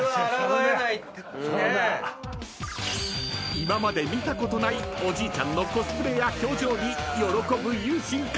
［今まで見たことないおじいちゃんのコスプレや表情に喜ぶ由真君］